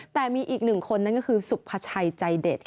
แต่มีอีกหนึ่งคนนั่นก็คือสุภาชัยใจเด็ด